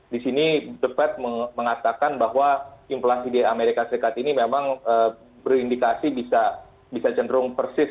di sini the fed mengatakan bahwa inflasi di amerika serikat ini memang berindikasi bisa cenderung persis